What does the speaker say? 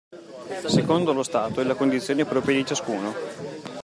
Secondo lo stato e la condizione propria di ciascuno.